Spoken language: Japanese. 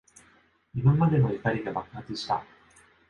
今までの怒りが爆発した。